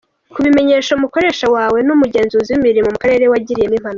Kubimenyesha umukoresha wawe n’umugenzuzi w’imirimo mu karere wagiriyemo impanuka ,.